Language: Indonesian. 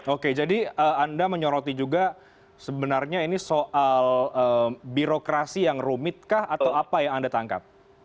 oke jadi anda menyoroti juga sebenarnya ini soal birokrasi yang rumit kah atau apa yang anda tangkap